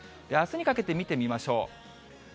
あすにかけて見てみましょう。